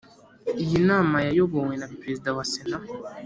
Iyi nama yayobowe na Perezida wa Sena .